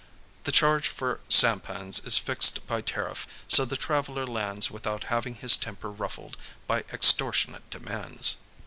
The charge for sampans is fixed by tariff, so the traveller lands without having his temper ruffled by extortionate demands.